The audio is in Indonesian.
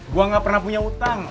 gue gak pernah punya utang